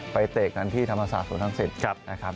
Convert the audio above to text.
ไปเตะกันที่ธรรมศาสตร์ศูนย์ศักดิ์ศิลป์